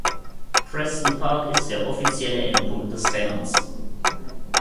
Preston Park ist der offizielle Endpunkt des Rennens.